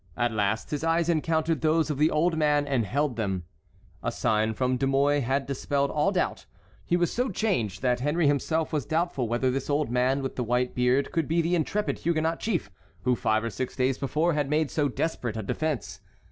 At last his eyes encountered those of the old man and held them. A sign from De Mouy had dispelled all doubt. He was so changed that Henry himself was doubtful whether this old man with the white beard could be the intrepid Huguenot chief who five or six days before had made so desperate a defence.